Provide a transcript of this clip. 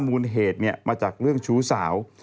มูลเหตุมาจากเรื่องชู้สาว